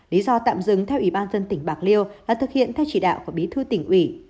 lý do tạm dừng theo ubnd tỉnh bạc liêu là thực hiện theo chỉ đạo của bí thư tỉnh ủy